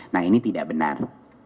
nah ini tidak benar